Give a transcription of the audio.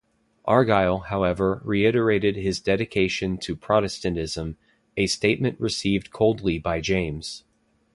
Argyll, however, reiterated his dedication to Protestantism, a statement received coldly by James.